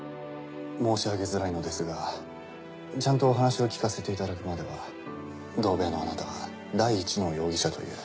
申し上げづらいのですがちゃんとお話を聞かせていただくまでは同部屋のあなたが第一の容疑者という。